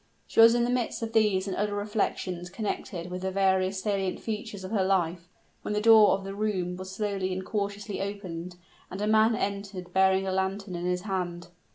She was in the midst of these and other reflections connected with the various salient features of her life, when the door of the room was slowly and cautiously opened, and a man entered, bearing a lantern in his hand.